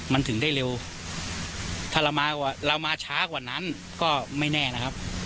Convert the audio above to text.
มันถึงได้เร็วถ้าเรามากว่าเรามาช้ากว่านั้นก็ไม่แน่นะครับ